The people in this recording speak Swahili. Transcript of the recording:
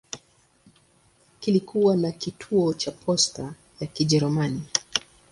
Kulikuwa na kituo cha posta ya Kijerumani.